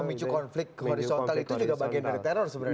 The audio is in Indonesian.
memicu konflik horizontal itu juga bagian dari teror sebenarnya